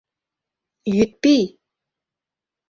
Йӱд пий!